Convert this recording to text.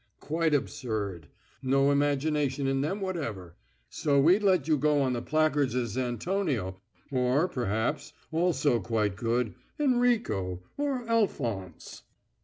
Quite absurd! No imagination in them whatever. So we'd let you go on the placards as Antonio, or perhaps, also quite good, Enrico or Alphonse...."